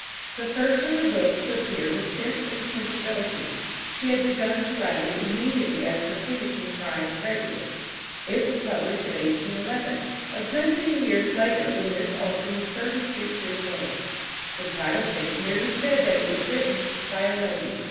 The first of her books to appear was Sense and Sensibility. She had begun to write it immediately after finishing Pride and Prejudice. It was published in 1811, a good many years later, when Miss Austen was thirty six years old. The title page merely said that it was written "By a Lady."